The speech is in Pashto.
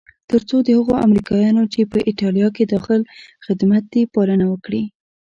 تر څو د هغو امریکایانو چې په ایټالیا کې داخل خدمت دي پالنه وکړي.